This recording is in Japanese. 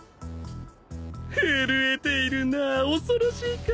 震えているな恐ろしいか？